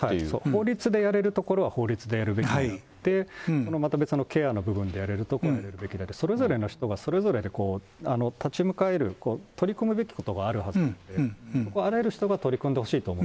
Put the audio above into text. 法律でやれることは法律でやるべきで、また別のケアの部分でやれるところはやるべきだし、それぞれの人がそれぞれで立ち向かえる取り組むべきことがあるはずなんで、そこはあらゆる人が取り組んでほしいと。